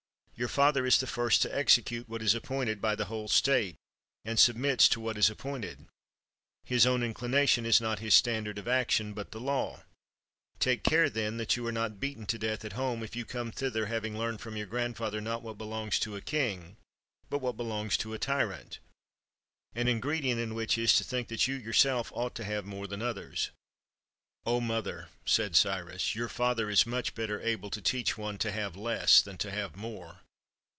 Your father is the first to execute what is appointed by the whole state, and submits to what is appointed ; his own inclination is not his standard of action, but, the law. Take care then, that you are not beaten to death at home, if you come thither having learned from your grandfather not what belongs to a king, but what belongs to a tyrant; an ingredient in which is, to think that you yourself ought to have more than others." "Oh, mother," said Cyrus, "your father is much better able to teach one to have less than to have more.